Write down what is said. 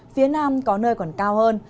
phía nam có nơi còn cao hơn